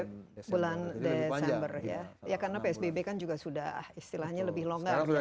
bulan desember ya karena psbb kan juga sudah istilahnya lebih longgar